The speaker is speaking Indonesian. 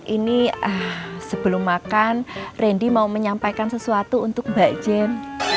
ini sebelum makan randy mau menyampaikan sesuatu untuk mbak jen